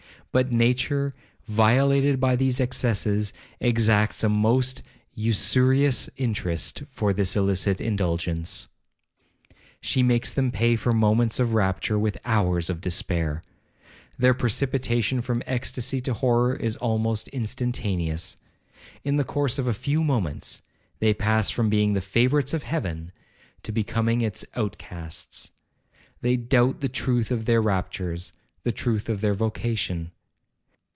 But nature, violated by these excesses, exacts a most usurious interest for this illicit indulgence. She makes them pay for moments of rapture with hours of despair. Their precipitation from extasy to horror is almost instantaneous. In the course of a few moments, they pass from being the favourites of Heaven to becoming its outcasts. They doubt the truth of their raptures,—the truth of their vocation.